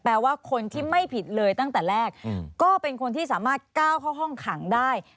แปลว่าคนที่ไม่ผิดเลยตั้งแต่แรกก็เป็นคนที่สามารถก้าวเข้าห้องขังได้